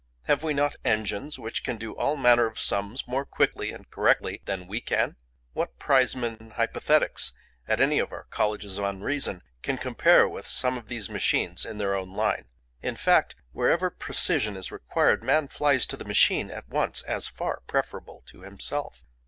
Have we not engines which can do all manner of sums more quickly and correctly than we can? What prizeman in Hypothetics at any of our Colleges of Unreason can compare with some of these machines in their own line? In fact, wherever precision is required man flies to the machine at once, as far preferable to himself.